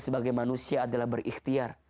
sebagai manusia adalah berikhtiar